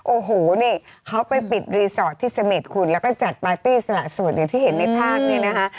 โอ้โหนี่เขาไปปิดรีสอร์ทที่เสม็ดคุณแล้วก็จัดปาร์ตี้สละส่วนอย่างที่เห็นในภาพเนี่ยนะคะ